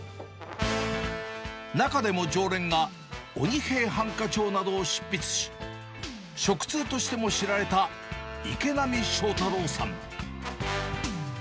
中でも常連が、鬼平犯科帳などを執筆し、食通としても知られた、池波正太郎さん。